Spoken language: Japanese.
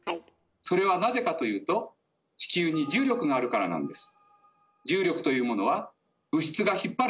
それはなぜかというと地球に重力があるからなんです。